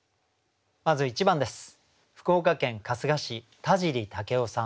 まず１番です。